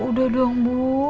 udah dong bu